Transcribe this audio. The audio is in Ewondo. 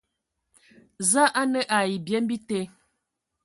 Za a nǝ ai byem bite,